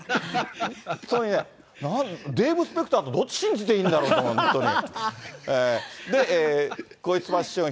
デーブ・スペクターと、どっち信じていいんだろう、本当に。